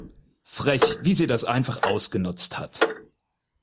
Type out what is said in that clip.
Frech, wie sie das einfach ausgenutzt hat!